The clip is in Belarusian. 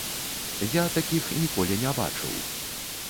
Я такіх ніколі не бачыў.